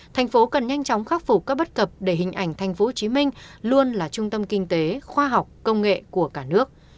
thành phố cần nhanh chóng khắc phục các bất cập để hình ảnh tp hcm luôn là trung tâm kinh tế khoa học công nghệ của cả nước